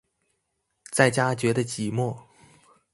在家覺得寂寞